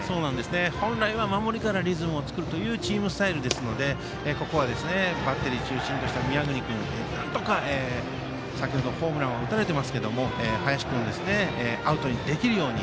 本来は、守りからリズムを作るというチームスタイルですのでここはバッテリー中心として宮國君、先程ホームランは打たれていますけども林君をアウトにできるように。